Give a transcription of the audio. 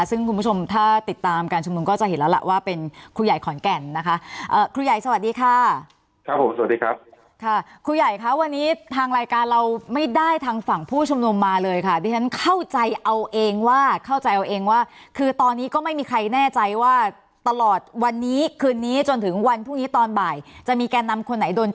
ซึ่งคุณผู้ชมถ้าติดตามการชุมนุมก็จะเห็นแล้วล่ะว่าเป็นครูใหญ่ขอนแก่นนะคะครูใหญ่สวัสดีค่ะครับผมสวัสดีครับค่ะครูใหญ่คะวันนี้ทางรายการเราไม่ได้ทางฝั่งผู้ชุมนุมมาเลยค่ะดิฉันเข้าใจเอาเองว่าเข้าใจเอาเองว่าคือตอนนี้ก็ไม่มีใครแน่ใจว่าตลอดวันนี้คืนนี้จนถึงวันพรุ่งนี้ตอนบ่ายจะมีแก่นำคนไหนโดน